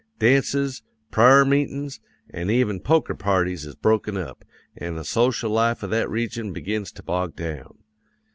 Dances, pra'er meetin's, an' even poker parties is broken up, an' the social life of that region begins to bog down.